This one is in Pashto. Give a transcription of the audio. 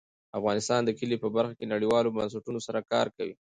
افغانستان د کلي په برخه کې نړیوالو بنسټونو سره کار کوي.